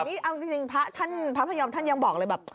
เอาจริงพระพยอมท่านยังบอกเลยแบบ